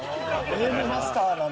ゲームマスター。